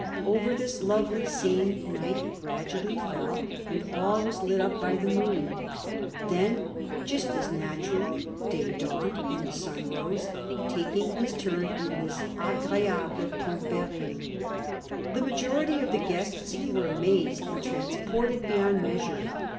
Over this lovely scene night gradually fell, and all was lit up by the moon. Then, just as naturally, day dawned and the sun rose, taking his turn in this " agr6able tromperie." The majority of the guests were amazed and transported beyond measure.